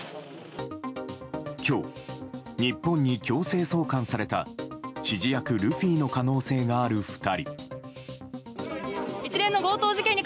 今日、日本に強制送還された指示役ルフィの可能性がある２人。